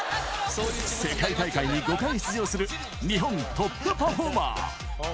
世界大会に５回出場する日本トップパフォーマー。